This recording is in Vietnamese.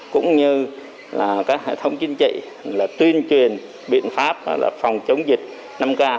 cũng như các hệ thống chính trị tuyên truyền biện pháp phòng chống dịch năm k